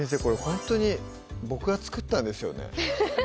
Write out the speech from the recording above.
ほんとに僕が作ったんですよね